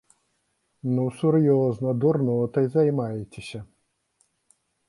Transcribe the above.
Ну сур'ёзна, дурнотай займаецеся!